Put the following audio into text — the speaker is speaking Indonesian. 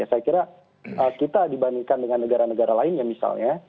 saya kira kita dibandingkan dengan negara negara lainnya misalnya